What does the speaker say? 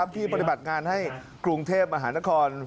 ปฏิบัติงานให้กรุงเทพมหานคร